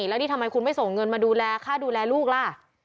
แล้วนี่ทำไมคุณไม่ส่งเงินมาดูแลค่าดูแลลูกล่ะ